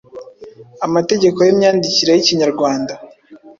amategeko y’imyandikire y’ikinyarwanda.